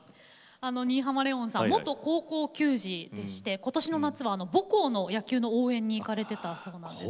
新浜レオンさん元高校球児でして今年の夏は母校の野球の応援に行かれてたそうなんです。